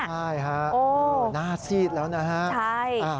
ใช่ฮะหน้าซีดแล้วนะฮะ